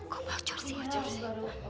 kok wacur sih